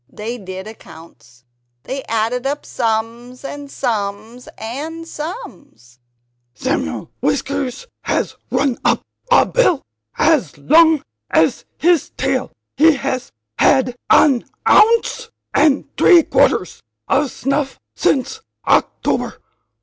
They did accounts. They added up sums and sums, and sums. "Samuel Whiskers has run up a bill as long as his tail; he has had an ounce and three quarters of snuff since October.